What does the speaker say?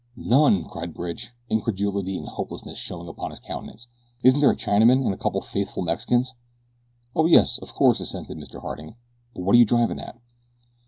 "None!" cried Bridge, incredulity and hopelessness showing upon his countenance. "Isn't there a Chinaman and a couple of faithful Mexicans?" "Oh, yes, of course," assented Mr. Harding; "but what are you driving at?"